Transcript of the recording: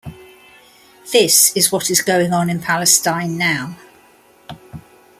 This is what is going on in Palestine now.